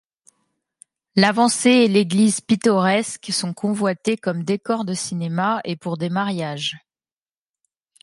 L'avancée et l'église pittoresque sont convoitées comme décor de cinéma et pour des mariages.